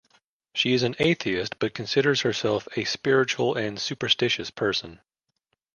She is an atheist but considers herself a spiritual and superstitious person.